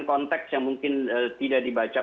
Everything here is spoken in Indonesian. konteks yang mungkin tidak dibaca